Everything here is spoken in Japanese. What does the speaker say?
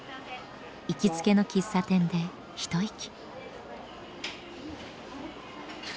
行きつけの喫茶店で一息。